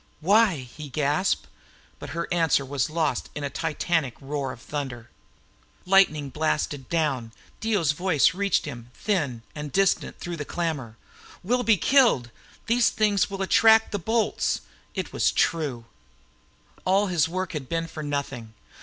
"Why?" he gasped, but her answer was lost in a titanic roar of thunder. Lightning blasted down. Dio's voice reached him, thin and distant through the clamor. "We'll be killed! These damn things will attract the bolts!" It was true. All his work had been for nothing.